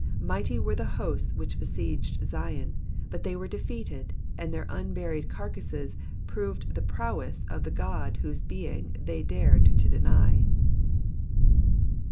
Mighty were the hosts which besieged Zion, but they were defeated, and their unburied carcasses proved the prowess of the God whose being they dared to deny.